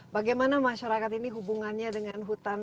bagaimana masyarakat ini hubungannya dengan hutan